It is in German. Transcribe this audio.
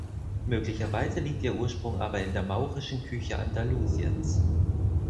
Möglicherweise liegt ihr Ursprung aber in der maurischen Küche Andalusiens.